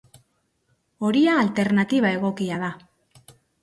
Horia alternatiba egokia da.